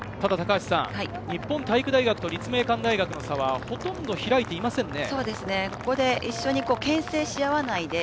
高橋さん、日本体育大学と立命館大学の差はほとんど開いていませんね。